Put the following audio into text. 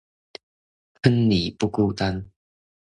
坑裡不孤單